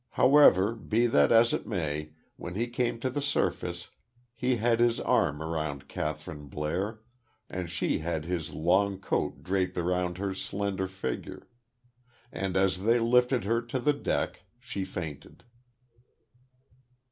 However, be that as it may, when he came to the surface, he had his arm around Kathryn Blair, and she had his long coat draped around her slender figure.... And, as they lifted her to the deck, she fainted.